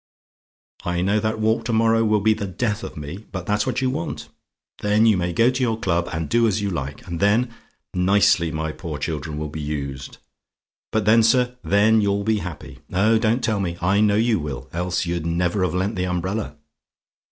"I know that walk to morrow will be the death of me. But that's what you want then you may go to your club and do as you like and then, nicely my poor dear children will be used but then, sir, then you'll be happy. Oh, don't tell me! I know you will. Else you'd never have lent the umbrella!